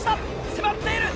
迫っている！